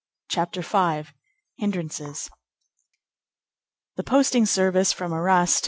CHAPTER V—HINDRANCES The posting service from Arras to M.